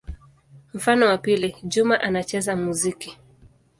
Mfano wa pili: Juma anacheza muziki.